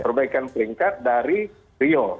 perbaikan peringkat dari rio